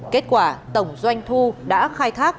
kết quả tổng doanh thu đã khai thác